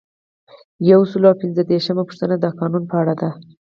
یو سل او پنځه دیرشمه پوښتنه د قانون په اړه ده.